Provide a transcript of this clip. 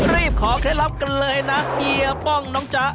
รีบขอเคล็ดลับกันเลยนะเฮียป้องน้องจ๊ะ